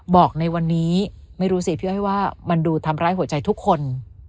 บอกในวันนี้ไม่รู้สิพี่อ้อยว่ามันดูทำร้ายหัวใจทุกคน